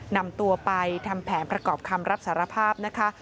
นำตัวไปทำแผนประกอบคำรับสารภาพนะคะ